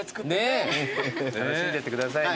ねえ楽しんでってくださいね。